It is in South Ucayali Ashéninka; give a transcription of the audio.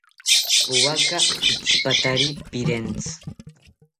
Powaka pitzipatari pirentzi